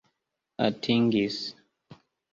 atingis